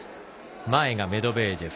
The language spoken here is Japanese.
前がメドベージェフ。